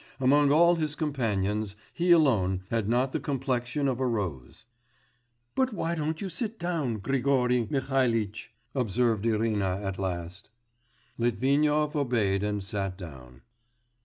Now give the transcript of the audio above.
Among all his companions he alone had not the complexion of a rose. 'But why don't you sit down, Grigory Mihalitch,' observed Irina at last. Litvinov obeyed and sat down.